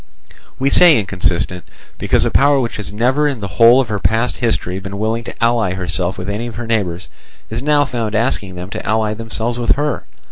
We say inconsistent, because a power which has never in the whole of her past history been willing to ally herself with any of her neighbours, is now found asking them to ally themselves with her.